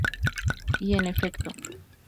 Y, en efecto.